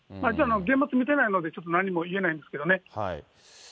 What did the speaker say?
現場見てないので、ちょっと何も言えないんですけれどもね。